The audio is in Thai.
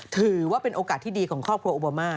ถือว่าเป็นโอกาสที่ดีของครอบครัวโอบามา